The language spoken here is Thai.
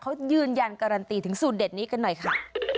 เขายืนยันการันตีถึงสูตรเด็ดนี้กันหน่อยค่ะ